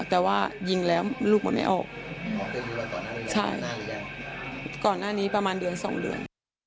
แต่ว่ายิงแล้วลูกมันไม่ออกใช่ก่อนหน้านี้ประมาณเดือนสองเดือน